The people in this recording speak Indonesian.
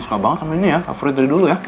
suka banget sama ini ya favorit dari dulu ya